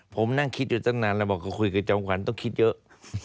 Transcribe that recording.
ผมนั่งคิดอยู่ตั้งนานแล้วบอกคุยกับจอมขวัญต้องคิดเยอะ